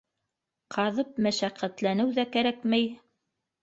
Ҡаҙып мәшәҡәтләнеү ҙә кәрәкмәй.